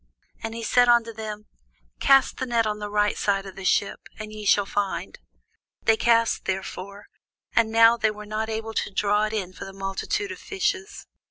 And he said unto them, Cast the net on the right side of the ship, and ye shall find. They cast therefore, and now they were not able to draw it for the multitude of fishes.